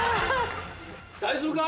大丈夫か？